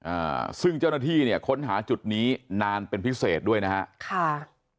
อ่าซึ่งเจ้าหน้าที่เนี่ยค้นหาจุดนี้นานเป็นพิเศษด้วยนะฮะค่ะ